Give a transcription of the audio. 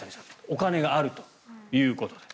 お金があるということで。